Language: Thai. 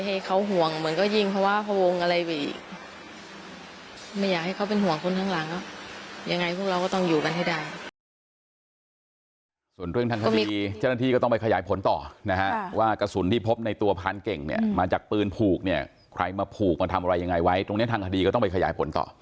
ให้เขาห่วงเหมือนก็ยิงภาพวงอะไรไปอีกไม่อยากให้เขาเป็นห่วงคนข้างหลังอ่ะยังไงพวกเราก็ต้องอยู่กันให้ได้